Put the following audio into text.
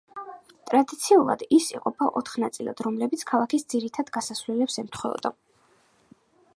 ტრადიციულად ის იყოფა ოთხ ნაწილად, რომლებიც ქალაქის ძირითად გასასვლელებს ემთხვეოდა.